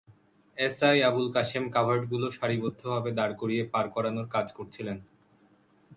SI Abul Kashem কাভার্ডগুলো সারিবদ্ধভাবে দাঁড় করিয়ে পার করানোর কাজ করছিলেন।